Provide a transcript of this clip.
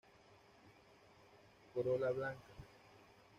Corola blanca.